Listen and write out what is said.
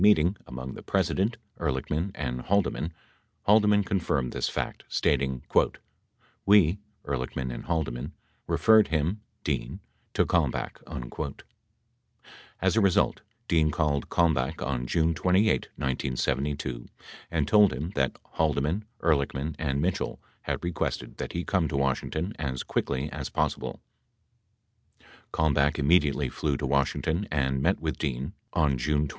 52 meeting among the President, Ehrlichman and Haldeman, Haldeman confirmed this fact, stating, "we [Ehrlichman and Haldeman] referred him [Dean] to Kalmbach." 64 As a result, Dean called Kalmbach on June 28, 1972, and told him that Haldeman, Ehrlichman and Mitchell had requested that he come to Washington as quickly as possible. 65 Kalmbach immediately flew to Washington and met with Dean on June 29.